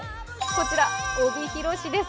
こちら、帯広市です。